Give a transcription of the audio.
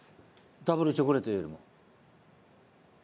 ダブルチョコレートよりも？